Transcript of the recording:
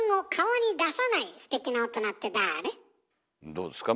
どうですか？